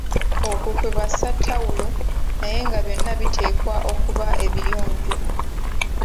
Okwo kwebassa ttawulo, naye nga byonna biteekwa okuba ebiyonjo.